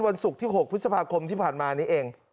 วันศุกร์ที่๖พฤษภาคมที่ผ่านมานี้เอง